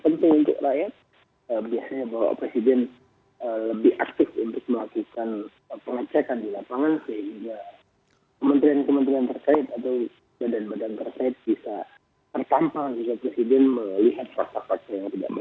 sehingga kementerian kementerian terkait atau badan badan terkait bisa tertampang